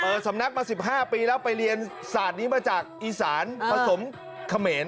สำนักมา๑๕ปีแล้วไปเรียนศาสตร์นี้มาจากอีสานผสมเขมร